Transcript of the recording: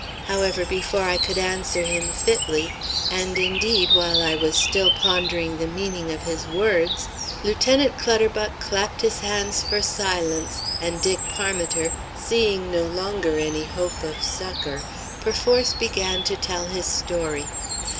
However, before I could answer him fitly, and indeed, while I was still pondering the meaning of his words. Lieutenant Clutterbuck clapped his hands for silence, and Dick Parmiter, seeing no longer any hope of succour, perforce began to tell his story.